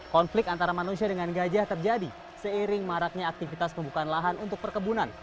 konflik antara manusia dengan gajah terjadi seiring maraknya aktivitas pembukaan lahan untuk perkebunan